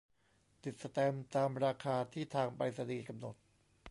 ติดสแตมป์ตามราคาที่ทางไปรษณีย์กำหนด